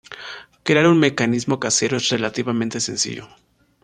Crear un mecanismo casero es relativamente sencillo.